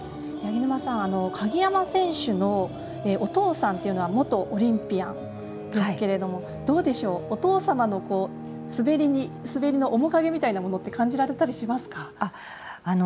八木沼さん鍵山選手のお父さんというのは元オリンピアンですけれどもどうでしょう、お父様の滑りの面影みたいなものって感じられたりしますか？